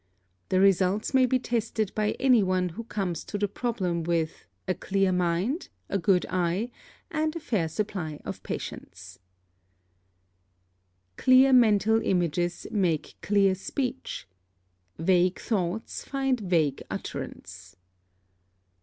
The results may be tested by any one who comes to the problem with "a clear mind, a good eye, and a fair supply of patience." [Footnote 2: See color variables in Glossary.] +Clear mental images make clear speech. Vague thoughts find vague utterance.